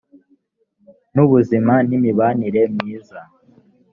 n ubuzima n imibanire myiza